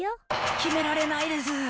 決められないです！